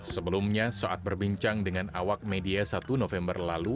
sebelumnya saat berbincang dengan awak media satu november lalu